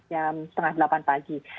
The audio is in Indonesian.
jam setengah delapan pagi